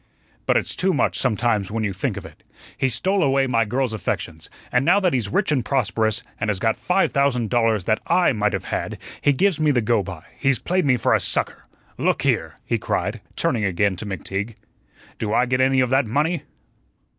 "But it's too much sometimes when you think of it. He stole away my girl's affections, and now that he's rich and prosperous, and has got five thousand dollars that I might have had, he gives me the go by; he's played me for a sucker. Look here," he cried, turning again to McTeague, "do I get any of that money?"